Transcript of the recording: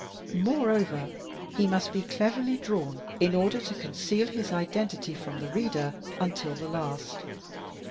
Moreover, he must be cleverly drawn in order to conceal his identity from the reader until the last.